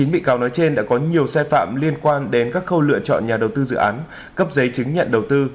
chín bị cáo nói trên đã có nhiều sai phạm liên quan đến các khâu lựa chọn nhà đầu tư dự án cấp giấy chứng nhận đầu tư